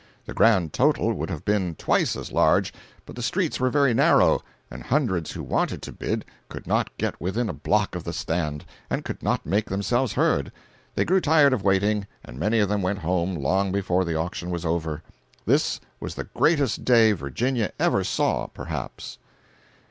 The grand total would have been twice as large, but the streets were very narrow, and hundreds who wanted to bid could not get within a block of the stand, and could not make themselves heard. These grew tired of waiting and many of them went home long before the auction was over. This was the greatest day Virginia ever saw, perhaps.